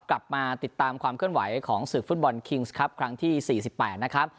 กลับมาติดตามความเคลื่อนไหวของศึกฟุตบอลคิงส์ครับครั้งที่๔๘นะครับ